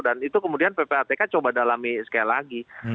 dan itu kemudian ppatk coba dalami sekali lagi